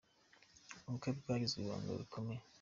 Ubukwe bwagizwe ibanga rikomeye.